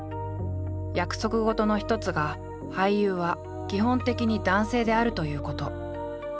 約束事の一つが俳優は基本的に男性であるということ。